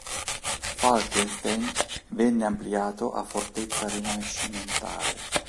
Falkenstein venne ampliato a fortezza rinascimentale.